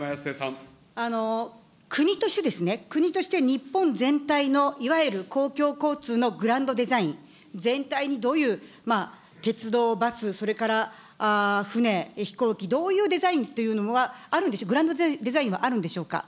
国として、国として日本全体のいわゆる公共交通のグランドデザイン、全体にどういう鉄道、バス、それから船、飛行機、どういうデザインというのがあるんでしょうか、グランドデザインはあるんでしょうか。